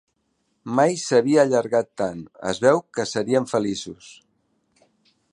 Mai s'havia allargat tan. Es veu que serien feliços.